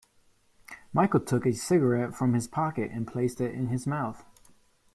Michael took a cigarette from his pocket and placed it in his mouth.